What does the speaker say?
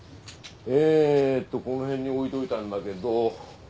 えーとこの辺に置いといたんだけど。